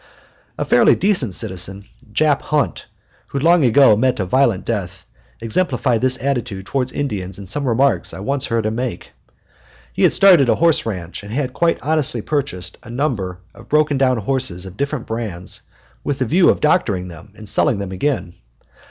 A fairly decent citizen, Jap Hunt, who long ago met a violent death, exemplified this attitude towards Indians in some remarks I once heard him make. He had started a horse ranch, and had quite honestly purchased a number of broken down horses of different brands, with the view of doctoring them and selling them again.